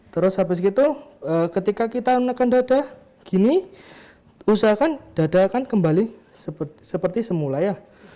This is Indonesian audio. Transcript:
terus habis gitu ketika kita menekan dada gini usahakan dada kan kembali seperti semula ya